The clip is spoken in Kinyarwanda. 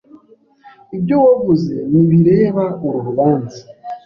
Ibyo wavuze ntibireba uru rubanza.